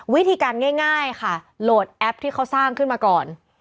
วิธีการง่ายค่ะโหลดแอปที่เขาสร้างขึ้นมาก่อน